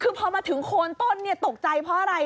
คือพอมาถึงโคนต้นตกใจเพราะอะไร